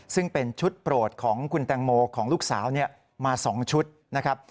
ซึ่งเป็นชุดโปรดของคุณแตงโมของลูกสาวมา๒ชุดนะครับ